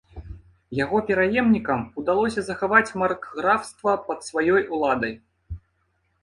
Яго пераемнікам удалося захаваць маркграфства пад сваёй уладай.